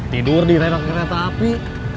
tidur di renol kereta api